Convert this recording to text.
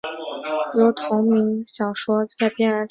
由同名小说改编而成。